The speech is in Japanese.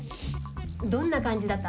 どんな感じだった？